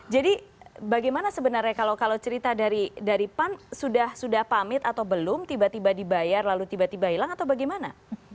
jadi bagaimana sebenarnya kalau cerita dari pan sudah pamit atau belum tiba tiba dibayar lalu tiba tiba hilang atau bagaimana